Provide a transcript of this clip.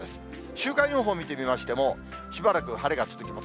週間予報を見てみましてもしばらく腫れが続きます。